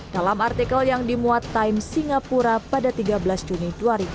dalam artikel yang dimuat time singapura pada tiga belas juni dua ribu dua puluh